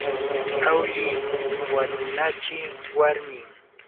awlli wanunachi warmin.